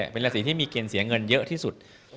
เป็นราศีที่มีเกณฑ์เสียเงินเยอะที่สุด